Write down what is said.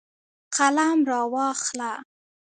قلم راواخله